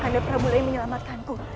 kandai prabu rai menyelamatkanku